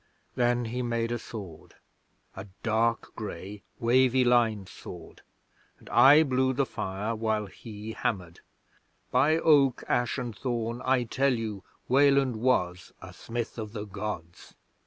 Then he made a sword a dark grey, wavy lined sword and I blew the fire while he hammered. By Oak, Ash and Thorn, I tell you, Weland was a Smith of the Gods!